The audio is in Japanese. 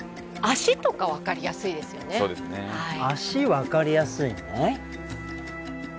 足分かりやすいの？